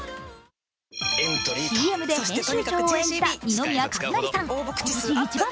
ＣＭで編集長を演じた二宮和也さん。